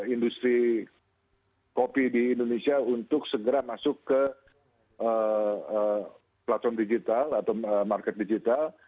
industri kopi di indonesia untuk segera masuk ke platform digital atau market digital